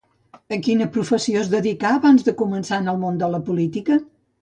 A quina professió es dedicà abans de començar en el món de la política?